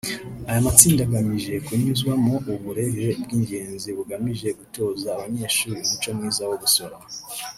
Aya matsinda agamije kunyuzwamo uburere bw’ingenzi bugamije gutoza abanyeshuri umuco mwiza wo gusora